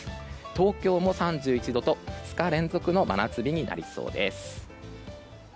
東京は３１度と２日連続の真夏日となりそうです。